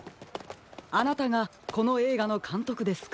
あなたがこのえいがのかんとくですか？